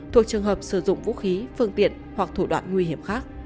thuộc trường hợp sử dụng vũ khí phương tiện hoặc thủ đoạn nguy hiểm khác